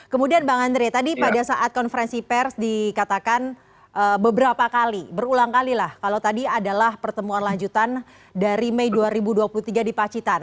kemudian bang andre tadi pada saat konferensi pers dikatakan beberapa kali berulang kalilah kalau tadi adalah pertemuan lanjutan dari mei dua ribu dua puluh tiga di pacitan